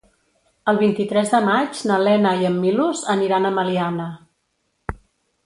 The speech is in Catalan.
El vint-i-tres de maig na Lena i en Milos aniran a Meliana.